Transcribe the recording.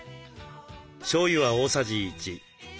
しょうゆは大さじ１。